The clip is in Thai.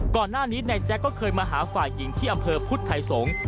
ก่อนหน้านี้นายแจ๊กก็เคยมาหาฝ่ายหญิงที่อำเภอพุทธไทยสงฆ์